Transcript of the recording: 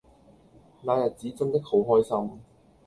那日子真的好開心